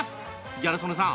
ギャル曽根さん